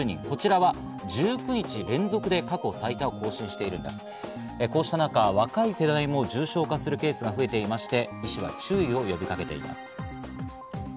こうした中、若い世代も重症化するケースも増えていまして医師は注意を呼びかけています。